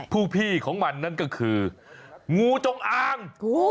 ผู้พี่ของมันนั่นก็คืองูจงอาง